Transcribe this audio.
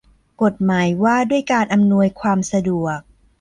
กฎหมายว่าด้วยการอำนวยความสะดวก